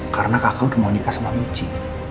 karena kakak udah mau nikah sama michi